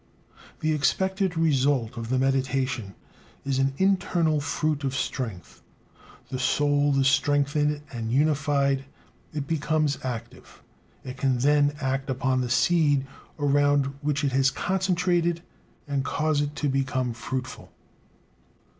The expected result of the meditation is "an internal fruit of strength"; the soul is strengthened and unified, it becomes active; it can then act upon the seed around which it has concentrated and cause it to become fruitful.